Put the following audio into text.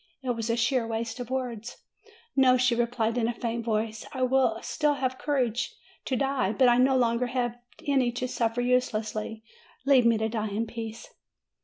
It was a sheer waste of words. "No," she replied in a faint voice, "I still have courage to die ; but I no longer have any to suffer use lessly. Leave me to die in peace."